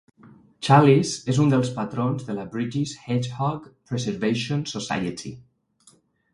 Challis és un dels patrons de la British Hedgehog Preservation Society.